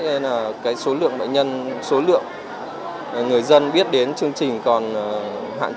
nên là cái số lượng bệnh nhân số lượng người dân biết đến chương trình còn hạn chế